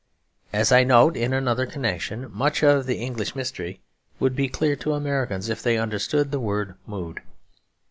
As I note in another connection, much of the English mystery would be clear to Americans if they understood the word 'mood.'